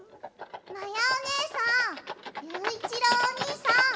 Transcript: まやおねえさんゆういちろうおにいさん